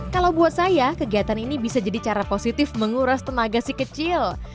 kalau buat saya kegiatan ini bisa jadi cara positif menguras tenaga si kecil